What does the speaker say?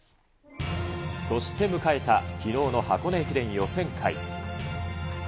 そして迎えたきのうの箱根駅伝予選会。